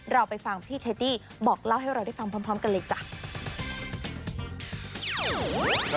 เราไปฟังพี่เทดดี้บอกเล่าให้เราได้ฟังพร้อมกันเลยจ้ะ